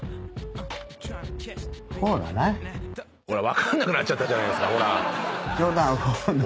分かんなくなっちゃったじゃないですかほらっ。